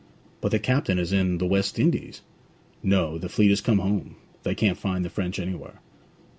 'But the captain is in the West Indies?' 'No. The fleet is come home; they can't find the French anywhere.'